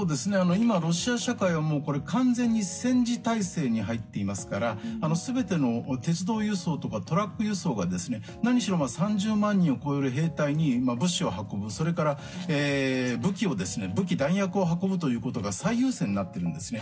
今、ロシア社会は完全に戦時体制に入っていますから全ての鉄道輸送とかトラック輸送が何しろ３０万人を超える兵隊に物資を運ぶそれから武器・弾薬を運ぶことが最優先になってるんですね。